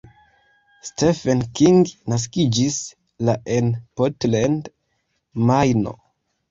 Stephen King naskiĝis la en Portland, Majno.